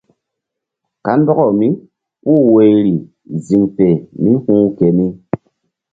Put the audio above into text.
Kandɔkaw mípuh woyri ziŋ fe mí hu̧h keni.